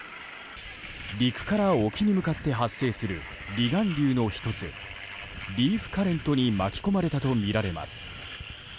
陸から沖に向かって発生する離岸流の１つリーフカレントに巻き込まれたとみられます。